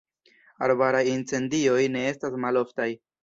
Arbaraj incendioj ne estas maloftaj.